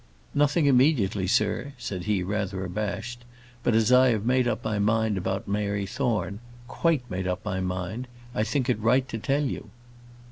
"Nothing immediately, sir," said he, rather abashed; "but as I have made up my mind about Mary Thorne, quite made up my mind, I think it right to tell you."